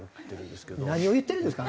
何を言ってるんですか？